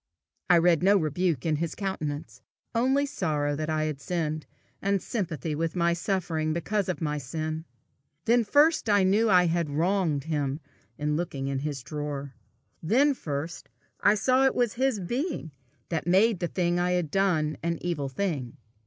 I read no rebuke in his countenance, only sorrow that I had sinned, and sympathy with my suffering because of my sin. Then first I knew that I had wronged him in looking into his drawer; then first I saw it was his being that made the thing I had done an evil thing.